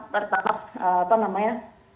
pertamax apa namanya